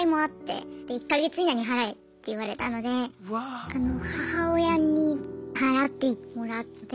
１か月以内に払えって言われたのであの母親に払ってもらって。